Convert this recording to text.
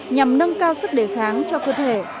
nhằm nâng cao sức đề kháng cho cơ thể